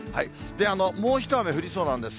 もう一雨降りそうなんです。